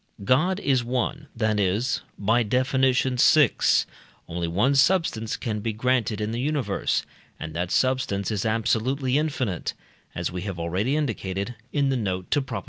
God is one, that is (by Def. vi.) only one substance can be granted in the universe, and that substance is absolutely infinite, as we have already indicated (in the note to Prop.